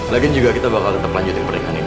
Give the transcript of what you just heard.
lagian juga kita bakal tetep lanjutin pernikahan ini